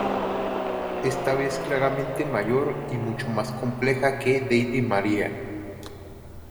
Esta vez claramente mayor y mucho más compleja que "Deadly Maria".